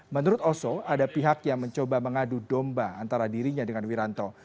menurut oso ada pihak yang mencoba mengadu domba antara dirinya dengan wiranto